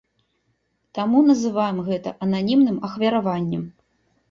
Таму называем гэта ананімным ахвяраваннем.